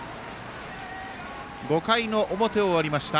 ５回の表終わりました。